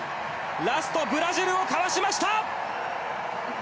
ラスト、ブラジルをかわしました。